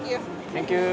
サンキュー。